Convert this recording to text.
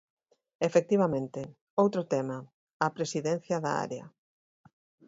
Efectivamente, outro tema, a presidencia da área.